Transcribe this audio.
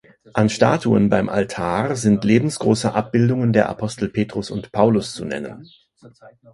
An Statuen beim Altar sind lebensgroße Abbildungen der Apostel Petrus und Paulus zu nennen.